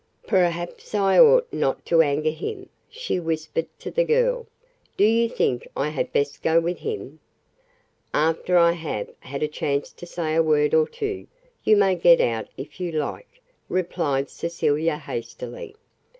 "Perhaps I ought not to anger him," she whispered to the girl. "Do you think I had best go with him?" "After I have had a chance to say a word or two, you may get out if you like," replied Cecilia hastily.